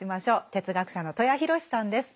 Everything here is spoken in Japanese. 哲学者の戸谷洋志さんです。